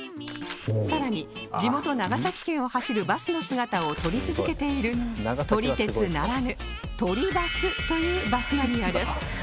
さらに地元長崎県を走るバスの姿を撮り続けている撮り鉄ならぬ「撮りバス」というバスマニアです